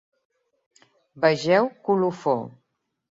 Vegeu Colofó.